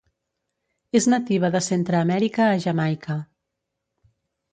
És nativa de Centreamèrica a Jamaica.